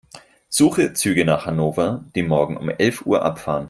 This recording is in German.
Suche Züge nach Hannover, die morgen um elf Uhr abfahren.